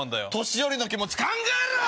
年寄りの気持ち考えろ‼